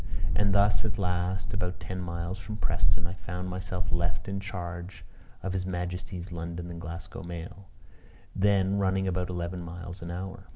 And thus at last, about ten miles from Preston, I found myself left in charge of his Majesty's London and Glasgow mail, then running about eleven miles an hour.